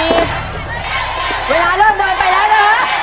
เวลาเริ่มเดินไปแล้วนะฮะ